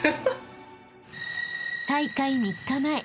［大会３日前］